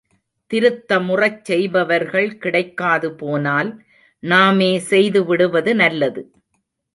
திருத்தமுறச் செய்பவர்கள் கிடைக்காது போனால் நாமே செய்துவிடுவது நல்லது.